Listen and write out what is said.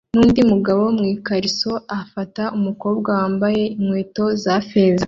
nundi mugabo mwikariso agafata umukobwa wambaye inkweto za feza